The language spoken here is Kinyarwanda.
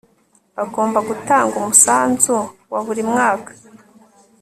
bagomba gutanga umusanzu wa buri mwaka